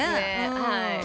はい。